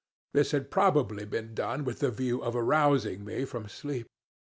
This had probably been done with the view of arousing me from sleep.